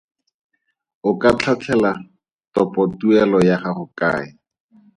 O ka tlhatlhela topotuelo ya gago kae?